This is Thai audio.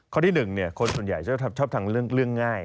ที่๑คนส่วนใหญ่จะชอบทางเรื่องง่าย